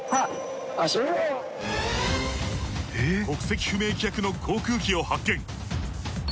国籍不明機役の航空機を発見。